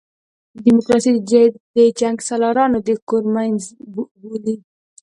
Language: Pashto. ډیموکراسي د جنګسالارانو د کور مېنځه بولي.